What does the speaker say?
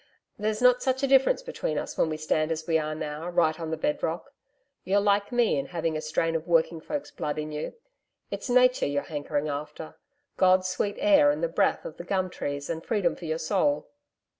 There's not such a difference between us when we stand as we are now, right on the bed rock. You're like me in having a strain of working folk's blood in you. It's Nature you're hankering after God's sweet air and the breath of the gum trees and freedom for your soul.'